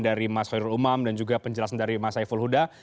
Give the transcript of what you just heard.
dari mas hoirul umam dan juga penjelasan dari mas saiful huda